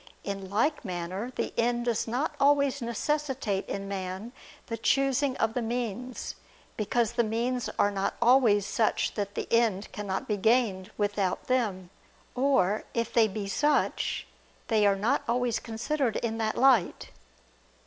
In like manner, the end does not always necessitate in man the choosing of the means, because the means are not always such that the end cannot be gained without them; or, if they be such, they are not always considered in that light.